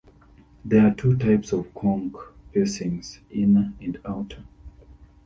There are two types of conch piercings, inner and outer.